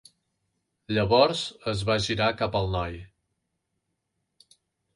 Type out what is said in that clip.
Llavors es va girar cap al noi.